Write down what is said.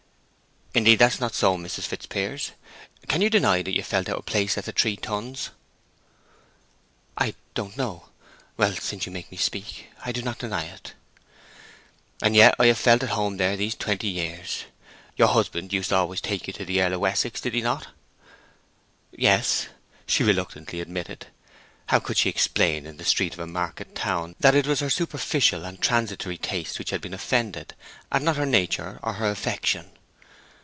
"Indeed, that's not so, Mrs. Fitzpiers. Can you deny that you felt out of place at The Three Tuns?" "I don't know. Well, since you make me speak, I do not deny it." "And yet I have felt at home there these twenty years. Your husband used always to take you to the Earl of Wessex, did he not?" "Yes," she reluctantly admitted. How could she explain in the street of a market town that it was her superficial and transitory taste which had been offended, and not her nature or her affection?